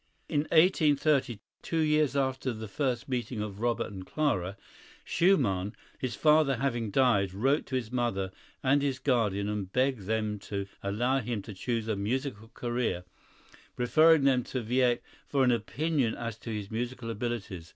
In 1830, two years after the first meeting of Robert and Clara, Schumann, his father having died, wrote to his mother and his guardian and begged them to allow him to choose a musical career, referring them to Wieck for an opinion as to his musical abilities.